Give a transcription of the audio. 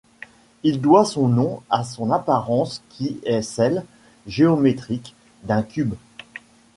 Il doit son nom à son apparence qui est celle, géométrique, d'un cube.